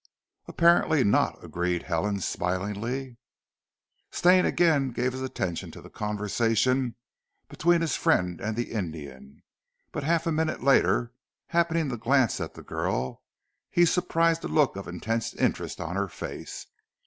"Apparently not," agreed Helen smilingly. Stane again gave his attention to the conversation between his friend and the Indian, but half a minute later, happening to glance at the girl, he surprised a look of intense interest on her face.